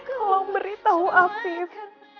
kalau beritahu afif